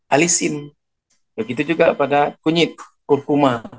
alisin begitu juga pada kunyit kurkuma